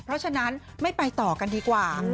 เพราะฉะนั้นไม่ไปต่อกันดีกว่า